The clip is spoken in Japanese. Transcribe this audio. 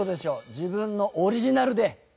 自分のオリジナルで？